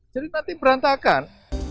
jadi nanti berantakan